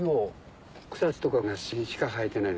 草津とか那須にしか生えてない。